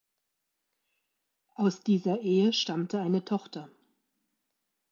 Aus dieser Ehe stammte eine Tochter.